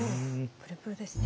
プルプルですね。